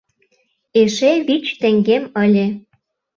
Эше вич теҥгем ыле.